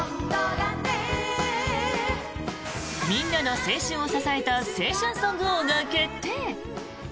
みんなの青春を支えた青春ソング王が決定！